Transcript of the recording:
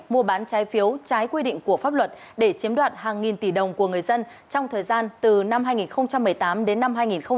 mua bán trái phiếu trái quy định của pháp luật để chiếm đoạt hàng nghìn tỷ đồng của người dân trong thời gian từ năm hai nghìn một mươi tám đến năm hai nghìn một mươi chín